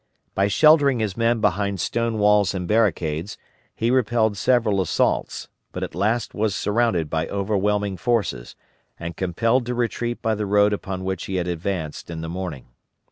By sheltering his men behind stone walls and barricades, he repelled several assaults, but at last was surrounded by overwhelming forces, and compelled to retreat by the road upon which he had advanced in the morning.